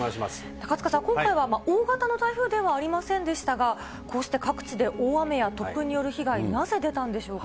高塚さん、今回は大型の台風ではありませんでしたが、こうして各地で大雨や突風による被害、なぜ出たんでしょうか？